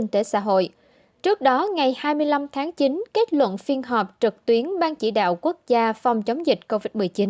trước đó ngày hai mươi năm tháng chín kết luận phiên họp trực tuyến ban chỉ đạo quốc gia phòng chống dịch covid một mươi chín